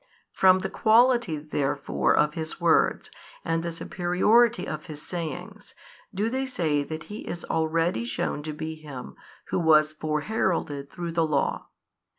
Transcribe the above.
From the quality therefore of His words, and the superiority of His sayings, do they say that He is already shewn to be Him who was fore heralded through the Law.